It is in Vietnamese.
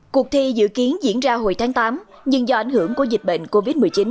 cuộc thi dự kiến diễn ra hồi tháng tám nhưng do ảnh hưởng của dịch bệnh covid một mươi chín